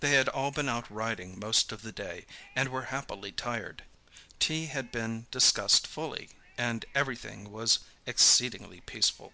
They had all been out riding most of the day, and were happily tired. Tea had been discussed fully, and everything was exceedingly peaceful.